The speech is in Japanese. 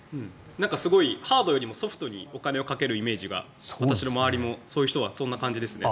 ハードよりもソフトにお金をかけるイメージが私の周りもそういう人たちはそういう感じですね。